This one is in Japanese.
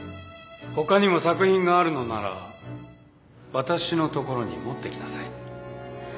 他にも作品があるのなら私のところに持ってきなさい